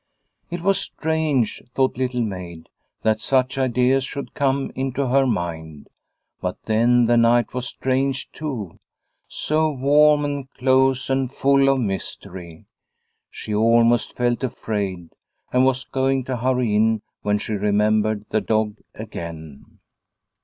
It was strange, thought Little Maid, that such ideas should come into her mind. But then the night was strange too, so warm and close and full of mystery. She almost felt afraid and was going to hurry in, when she remembered the dog again.